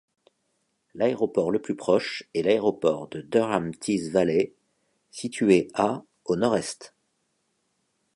L'aéroport le plus proche est l'aéroport de Durham Tees Valley, situé à au nord-est.